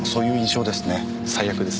最悪です。